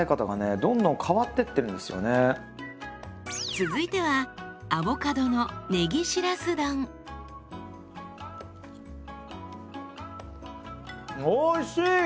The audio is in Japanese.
続いてはおいしい！